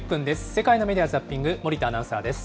世界のメディア・ザッピング、森田アナウンサーです。